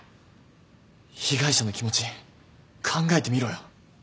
被害者の気持ち考えてみろよ。